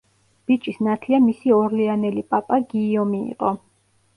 ბიჭის ნათლია მისი ორლეანელი პაპა გიიომი იყო.